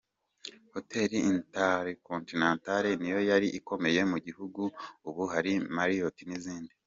Hotel Intercontinental niyo yari ikomeye mu gihugu, ubu hari Marriot n’izindi.